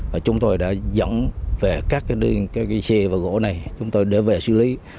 và chúng tôi đã dẫn về các cái xe và gỗ này chúng tôi để về xử lý